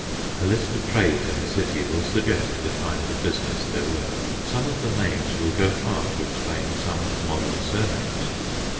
A list of trades in the city will suggest the kinds of business there were. Some of the names will go far to explain some modern surnames.